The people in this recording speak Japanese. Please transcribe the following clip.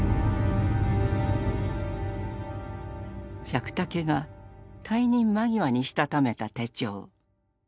百武が退任間際にしたためた手帳。